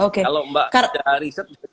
kalau mbak ada riset